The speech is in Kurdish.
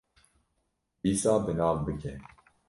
Dîsa bi nav bike.